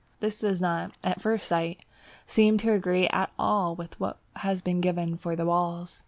This does not at first sight seem to agree at all with what has been given for the walls.